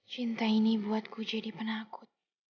cinta ini buatku jadi penakut